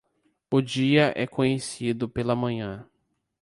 O dia é conhecido pela manhã.